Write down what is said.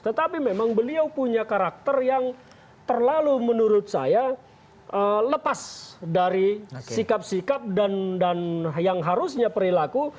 tetapi memang beliau punya karakter yang terlalu menurut saya lepas dari sikap sikap dan yang harusnya perilaku